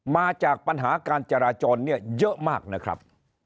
มาจากปัญหาการจราจรเนี่ยเยอะมากนะครับ